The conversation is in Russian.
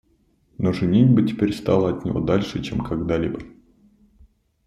Но женитьба теперь стала от него дальше, чем когда-либо.